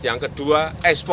yang kedua ekspresi